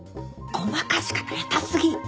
ごまかし方下手過ぎ。